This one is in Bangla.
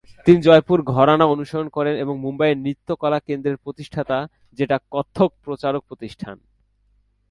তিনি জয়পুর ঘরানা অনুসরণ করেন এবং মুম্বইয়ের "নৃত্য কলা কেন্দ্রের" প্রতিষ্ঠাতা, যেটা "কত্থক" প্রচারক প্রতিষ্ঠান।